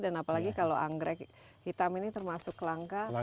dan apalagi kalau anggrek hitam ini termasuk langka